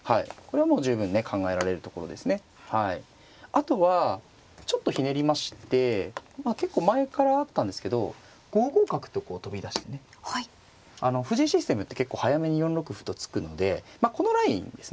あとはちょっとひねりまして結構前からあったんですけど５五角とこう飛び出してね藤井システムって結構早めに４六歩と突くのでこのラインですね